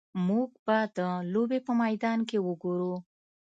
موږ به د لوبې په میدان کې وګورو